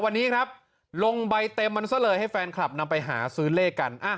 วันนี้ครับลงใบเต็มมันซะเลยให้แฟนคลับนำไปหาซื้อเลขกัน